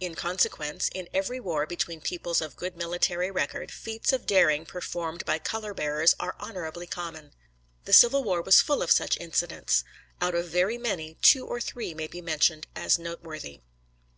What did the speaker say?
In consequence, in every war between peoples of good military record, feats of daring performed by color bearers are honorably common. The Civil War was full of such incidents. Out of very many two or three may be mentioned as noteworthy.